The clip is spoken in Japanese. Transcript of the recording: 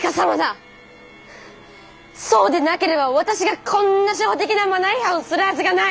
そうでなければ私がこんな初歩的なマナー違反をするはずがない。